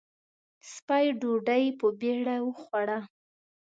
سپۍ ډوډۍ په بېړه وخوړه.